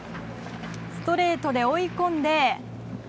ストレートで追い込んで。